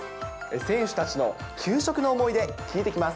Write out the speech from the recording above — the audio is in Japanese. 選手たちの給食の思い出、聞いてきます。